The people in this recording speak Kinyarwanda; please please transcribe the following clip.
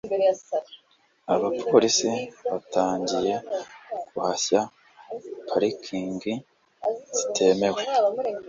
Abapolisi batangiye guhashya parikingi zitemewe.